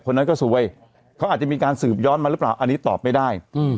คนนั้นก็ซวยเขาอาจจะมีการสืบย้อนมาหรือเปล่าอันนี้ตอบไม่ได้